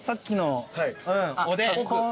おでん？